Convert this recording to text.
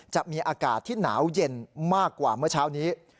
จะมีอากาศที่หนาวเย็นมากกว่าเมื่อเช้านี้